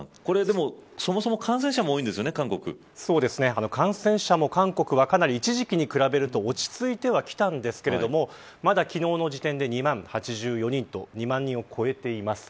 そもそも感染者も感染者も韓国はかなり一時期に比べると落ち着いてはきたんですがまだ昨日の時点で２万８４人と２万人を超えています。